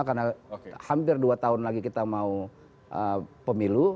karena hampir dua tahun lagi kita mau pemilu